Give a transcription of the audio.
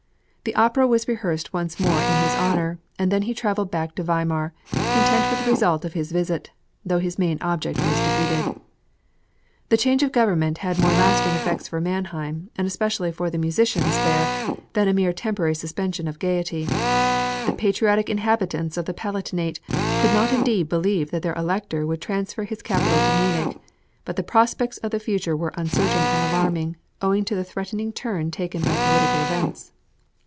" The opera was rehearsed once more in his honour, and then he travelled back to Weimar, content with the result of his visit, though his main object was defeated. The change of government had more lasting effects for {PROSPECTS OF WORK IN VIENNA.} (405) Mannheim, and especially for the musicians there, than a mere temporary suspension of gaiety. The patriotic inhabitants of the Palatinate could not indeed believe that their Elector would transfer his capital to Munich; but the prospects of the future were uncertain and alarming, owing to the threatening turn taken by political events.